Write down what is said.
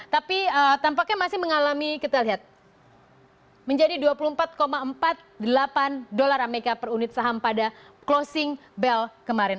tapi tampaknya masih mengalami kita lihat menjadi dua puluh empat empat puluh delapan dolar amerika per unit saham pada closing belt kemarin